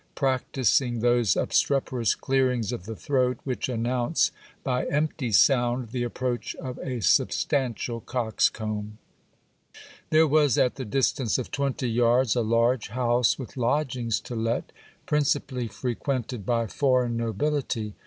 practising those obstreperous clearings of the throat which announce, by empty sound, the approach of a substantial coxcomb. There was at the distance of twenty yards a large house with lodgings to let, principally frequented by foreign nobility.